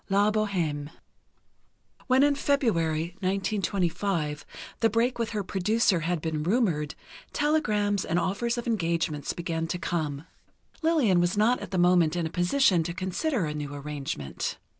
V "LA BOHÊME" When in February (1925) the break with her producer had been rumored, telegrams with offers of engagements began to come. Lillian was not at the moment in a position to consider a new arrangement.